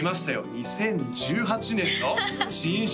２０１８年の新春